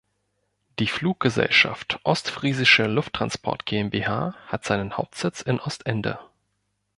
Die Fluggesellschaft „Ostfriesische Lufttransport GmbH“ hat seinen Hauptsitz in Ostende.